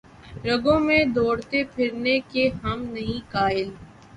رگوں میں دوڑتے پھرنے کے ہم نہیں قائل